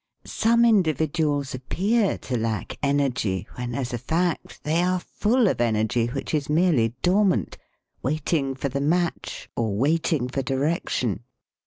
"Some individuals appear to lack energy, when, as a fact, they are full of energy which is merely dormant, waiting for the match, or waiting for di rection.